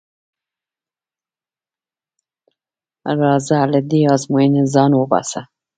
راځه له دې ازموینې ځان وباسه.